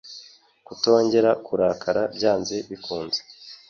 kutongera kurakara byanze bikunze